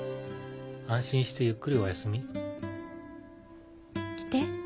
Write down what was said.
安心してゆっくりおやすみ。来て。